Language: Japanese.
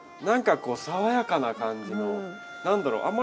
何かこう爽やかな感じの何だろう